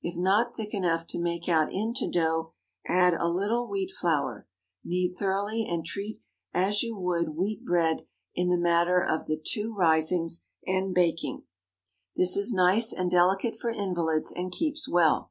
If not thick enough to make out into dough, add a little wheat flour. Knead thoroughly, and treat as you would wheat bread in the matter of the two risings and baking. This is nice and delicate for invalids, and keeps well.